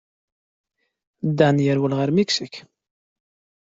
Dan yerwel ɣer Miksik.